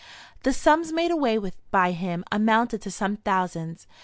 The sums made away with by him amounted to some thousands.